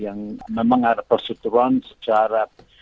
yang memang ada perseturuan secara